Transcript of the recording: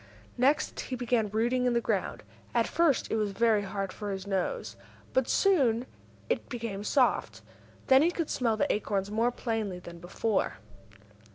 Next he began rooting in the ground. At first it was very hard for his nose, but soon it became soft. Then he could smell the acorns more plainly than before.